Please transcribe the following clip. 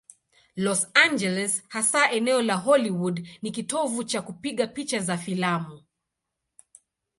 Los Angeles, hasa eneo la Hollywood, ni kitovu cha kupiga picha za filamu.